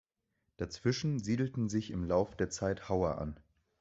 Dazwischen siedelten sich im Lauf der Zeit Hauer an.